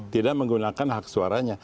tidak menggunakan hak suaranya